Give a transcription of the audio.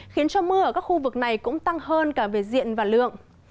khiến cho mưa ở các khu vực này cũng tăng hơn cả về diện và lượng